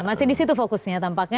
masih di situ fokusnya tampaknya